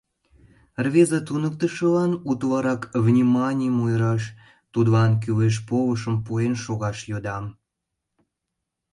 Рвезе туныктышылан утларак вниманийым ойыраш, тудлан кӱлеш полышым пуэн шогаш йодам.